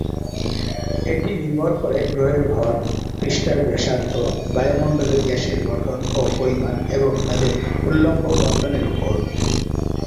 এটি নির্ভর করে গ্রহের ভর, পৃষ্ঠের ব্যাসার্ধ, বায়ুমণ্ডলের গ্যাসের গঠন ও পরিমাণ এবং তাদের উল্লম্ব বণ্টনের উপর।